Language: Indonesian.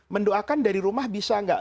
mendoakan dari rumah bisa nggak